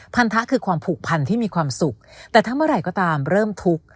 พันธะคือความผูกพันที่มีความสุขแต่ถ้าเมื่อไหร่ก็ตามเริ่มทุกข์